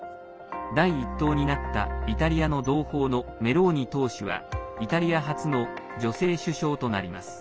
第１党になったイタリアの同胞のメローニ党首はイタリア初の女性首相となります。